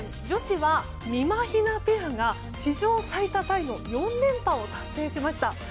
女子は、みまひなペアが史上最多タイの４連覇を達成しました。